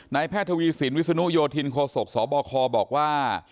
แพทย์ทวีสินวิศนุโยธินโคศกสบคบอกว่า